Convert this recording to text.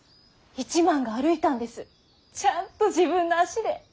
一幡が歩いたんですちゃんと自分の足で。